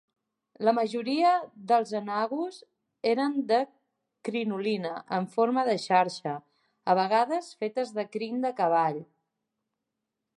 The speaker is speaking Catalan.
La majoria dels enagos eren de crinolina en forma de xarxa, a vegades fetes de crin de cavall.